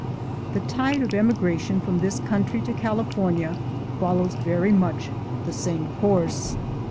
The tide of emigration from this country to California follows very much the same course.